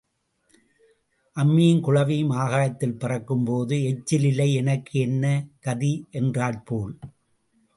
அம்மியும் குழவியும் ஆகாயத்தில் பறக்கும்போது எச்சில் இலை எனக்கு என்ன கதி என்றாற் போல்.